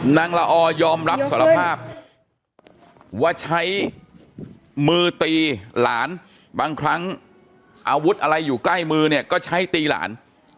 ละออยอมรับสารภาพว่าใช้มือตีหลานบางครั้งอาวุธอะไรอยู่ใกล้มือเนี่ยก็ใช้ตีหลาน